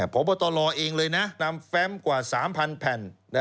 พบตลเองเลยนะนำแฟมกว่า๓๐๐แผ่น